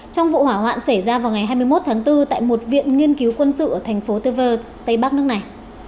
trong vụ hỏa hoạn xảy ra vào ngày hai mươi một tháng bốn tại một viện nghiên cứu quân sự ở thành phố tever tây bắc nước này